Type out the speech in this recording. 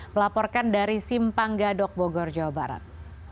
melaporkan dari simpang gadok bogor jawa barat